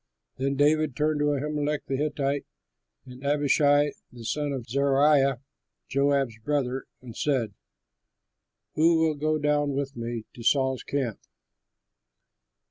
Then David turned to Ahimelech the Hittite and to Abishai the son of Zeruiah, Joab's brother, and said, "Who will go down with me to Saul's camp?"